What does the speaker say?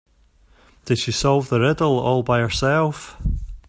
Did she solve the riddle all by herself?